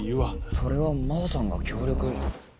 それは真帆さんが協力。